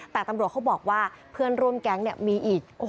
แต่ตำรวจเขาบอกว่าเพื่อนร่วมแก๊งมีอีก